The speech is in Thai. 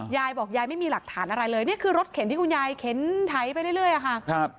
ยายบอกยายไม่มีหลักฐานอะไรเลยนี่คือรถเข็นที่คุณยายเข็นไถไปเรื่อยอะค่ะครับ